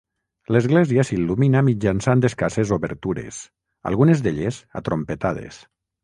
L'església s'il·lumina mitjançant escasses obertures, algunes d'elles atrompetades.